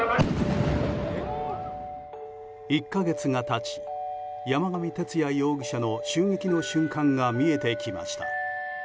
１か月が経ち、山上徹也容疑者の襲撃の瞬間が見えてきました。